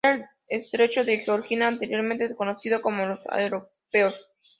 Era el estrecho de Georgia, anteriormente desconocido para los europeos.